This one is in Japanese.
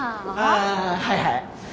ああはいはい。